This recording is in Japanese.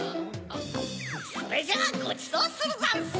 それじゃごちそうするざんす！